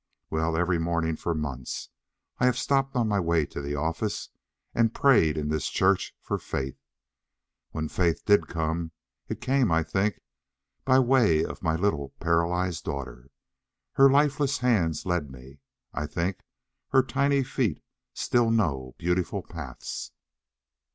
Well, every morning for months I stopped on my way to the office and prayed in this church for faith. When faith did come, it came, I think, by way of my little paralyzed daughter. Her lifeless hands led me; I think her tiny feet still know beautiful paths.